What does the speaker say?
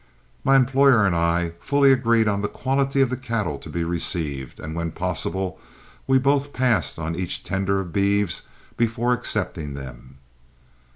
My employer and I fully agreed on the quality of cattle to be received, and when possible we both passed on each tender of beeves before accepting them.